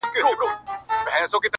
چا ویل دا چي _ ژوندون آسان دی _